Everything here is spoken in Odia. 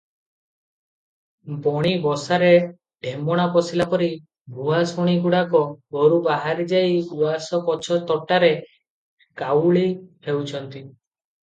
ବଣି ବସାରେ ଢେମଣା ପଶିଲାପରି ଭୁଆସୁଣୀଗୁଡ଼ାକ ଘରୁ ବାହାରିଯାଇ ଉଆସ ପଛ ତୋଟାରେ କାଉଳି ହେଉଛନ୍ତି ।